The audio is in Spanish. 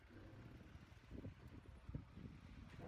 Fue certificado platino en los Estados Unidos y oro en el Reino Unido.